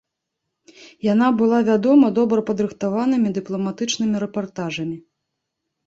Яна была вядома добра падрыхтаванымі дыпламатычнымі рэпартажамі.